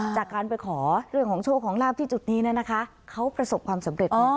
จากการไปขอเรื่องของโชคของลาบที่จุดนี้นะคะเขาประสบความสำเร็จแน่